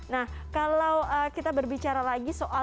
nah kalau kita berbicara lagi soal